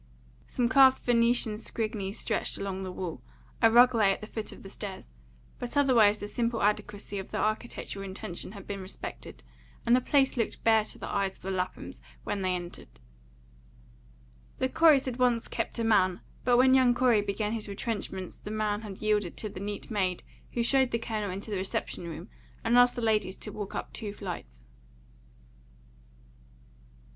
Some carved Venetian scrigni stretched along the wall; a rug lay at the foot of the stairs; but otherwise the simple adequacy of the architectural intention had been respected, and the place looked bare to the eyes of the Laphams when they entered. The Coreys had once kept a man, but when young Corey began his retrenchments the man had yielded to the neat maid who showed the Colonel into the reception room and asked the ladies to walk up two flights.